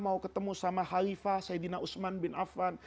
mau ketemu dengan khalifah sayyidina usman bin affan